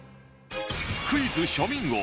クイズ庶民王